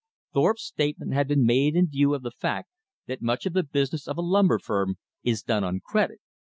Thorpe's statement had been made in view of the fact that much of the business of a lumber firm is done on credit.